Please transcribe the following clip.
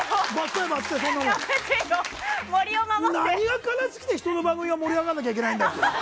何が悲しくて人の番組を盛り上げなきゃいけないんだよ。